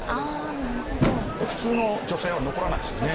普通の女性は残らないですよね